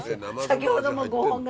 先ほども。